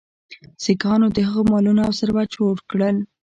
سیکهانو د هغه مالونه او ثروت چور کړ.